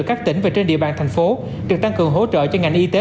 các tỉnh và trên địa bàn thành phố được tăng cường hỗ trợ cho ngành y tế